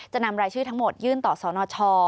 นำรายชื่อทั้งหมดยื่นต่อสนช